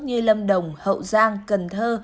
như lâm đồng hậu giang cần thơ